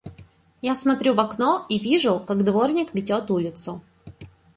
Я смотрю в окно и вижу, как дворник метет улицу.